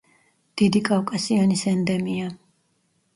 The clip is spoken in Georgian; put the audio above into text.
დიდი კავკასიონის ენდემია.